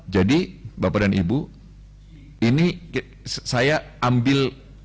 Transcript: jadi bapak dan ibu ini saya ambil